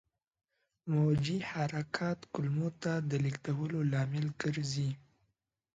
موجي حرکات کولمو ته د لېږدولو لامل ګرځي.